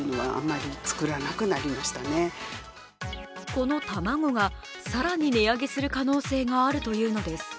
この卵が更に値上げする可能性があるというのです。